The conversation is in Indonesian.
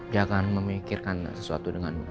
jangan memikirkan sesuatu dengan